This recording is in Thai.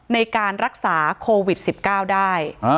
ในการรักษาโควิด๑๙ได้